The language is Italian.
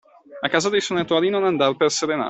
A casa dei suonatori non andar per serenate.